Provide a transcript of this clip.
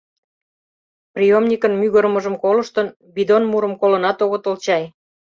Приёмникын мӱгырымыжым колыштын, бидон мурым колынат огытыл чай.